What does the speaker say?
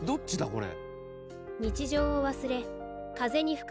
これ」